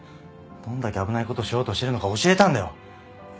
どんだけ危ないことしようとしてるのか教えたんだよ。